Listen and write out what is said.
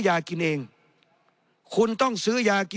ในทางปฏิบัติมันไม่ได้